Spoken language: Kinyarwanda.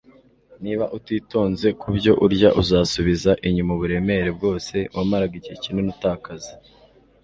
Niba utitonze kubyo urya uzasubiza inyuma uburemere bwose wamaraga igihe kinini utakaza